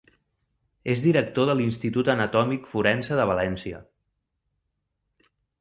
És director de l'Institut Anatòmic Forense de València.